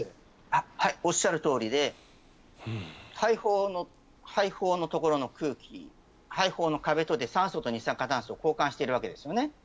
おっしゃるとおりで肺胞のところの空気肺胞の壁、酸素と二酸化炭素を交換しているわけですよね。